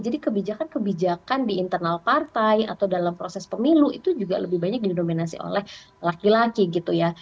jadi kebijakan kebijakan di internal partai atau dalam proses pemilu itu juga lebih banyak dinominasi oleh laki laki gitu ya